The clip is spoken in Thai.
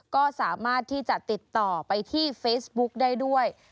ก็สามารถที่จะติดต่อไปที่เฟซบุ๊กได้ด้วย